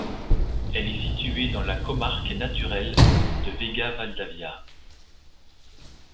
Elle est située dans la comarque naturelle de Vega-Valdavia.